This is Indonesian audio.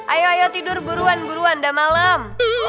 ayo ayo tidur buruan buruan udah malem